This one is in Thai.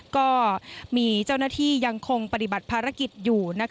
ก็มีเจ้าหน้าที่ยังคงปฏิบัติภารกิจอยู่